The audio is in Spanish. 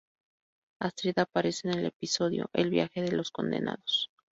Astrid aparece en el episodio "El viaje de los condenados".